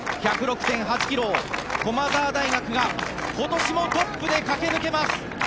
１０６．８ｋｍを駒澤大学が今年もトップで駆け抜けます。